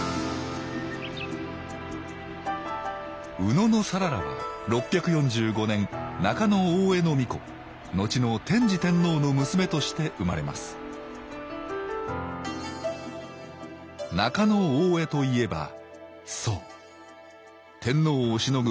野讃良は６４５年中大兄皇子のちの天智天皇の娘として生まれます中大兄といえばそう天皇をしのぐ